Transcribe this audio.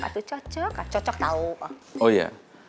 atau cocok tau oh iya